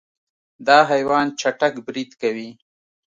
دا حیوان چټک برید کوي.